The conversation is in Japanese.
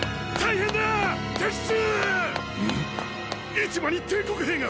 市場に帝国兵が！